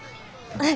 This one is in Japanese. はい。